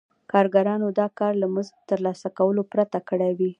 کارګرانو دا کار له مزد ترلاسه کولو پرته کړی وي